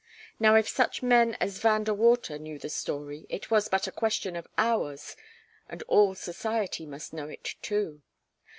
Now if such men as Van De Water knew the story, it was but a question of hours, and all society must know it, too.